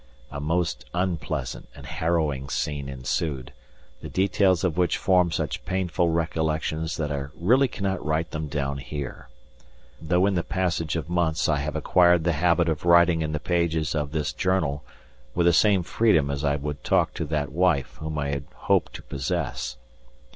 A most unpleasant and harrowing scene ensued, the details of which form such painful recollections that I really cannot write them down here, though in the passage of months I have acquired the habit of writing in the pages of this journal with the same freedom as I would talk to that wife whom I had hoped to possess.